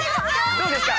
どうですか？